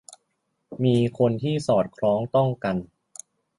มีคนที่สอดคล้องต้องกัน